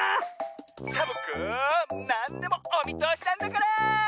サボ子なんでもおみとおしなんだから！